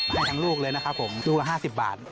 ให้ทั้งลูกเลยนะครับผมลูกละ๕๐บาท